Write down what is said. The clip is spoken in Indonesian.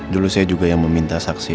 dulu saya juga yang meminta saksi